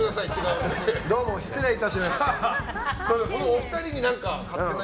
どうも失礼しました。